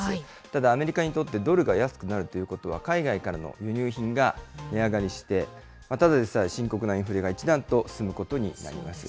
ただ、アメリカにとってドルが安くなるということは、海外からの輸入品が値上がりして、ただでさえ深刻なインフレが一段と進むことになります。